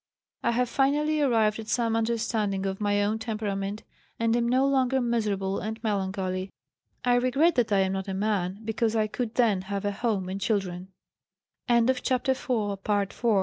I have finally arrived at some understanding of my own temperament, and am no longer miserable and melancholy. I regret that I am not a man, because I could then have a home and children." HISTORY XXXIX. Miss D., actively engaged in the pr